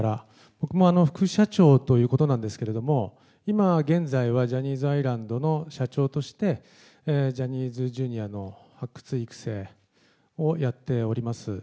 僕も副社長ということなんですけれども、今現在はジャニーズアイランドの社長として、ジャニーズＪｒ．の発掘、育成をやっております。